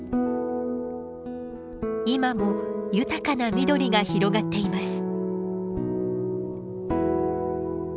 今も豊かな緑が広がっています。